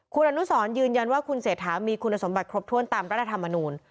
คุณอนุสรยืนยันว่าคุณเศรษฐามีคุณสมบัติครบถ้วนตามรัฐธรรมนูล